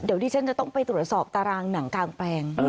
เดี๋ยวดิฉันจะต้องไปตรวจสอบตารางหนังกางแปลง